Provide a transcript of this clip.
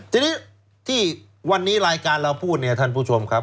ทีนี้ที่วันนี้รายการเราพูดเนี่ยท่านผู้ชมครับ